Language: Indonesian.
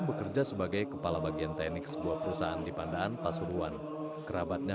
bekerja sebagai kepala bagian teknik sebuah perusahaan di pandaan pasuruan kerabatnya